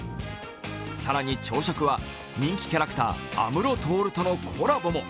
更に朝食は人気キャラクター安室透とのコラボも。